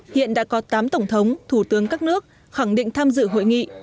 hiện đã có tám tổng thống thủ tướng các nước khẳng định tham dự hội nghị